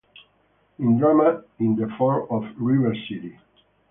In Drama in the form of "River City".